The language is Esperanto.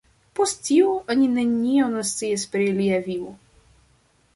Post tio, oni nenion scias pri lia vivo.